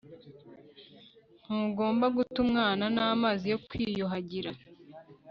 ntugomba guta umwana n'amazi yo kwiyuhagira